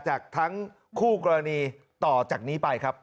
จากทั้งคู่กรณีต่อจากนี้ไปครับ